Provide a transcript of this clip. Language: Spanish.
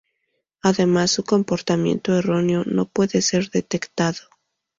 Además su comportamiento erróneo no puede ser detectado.